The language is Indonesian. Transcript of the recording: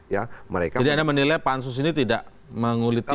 jadi anda menilai pak ansus ini tidak menguliti